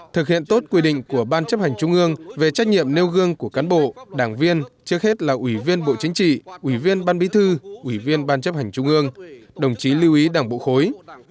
thực hiện tốt quy định của ban chấp hành trung ương về trách nhiệm nêu gương của cán bộ đảng viên trước hết là ủy viên bộ chính trị ủy viên ban bí thư ủy viên ban chấp hành trung ương đồng chí lưu ý đảng bộ khối